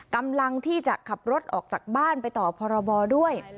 กำลังที่จะขับรถออกจากบ้านไปต่อพรบด้วย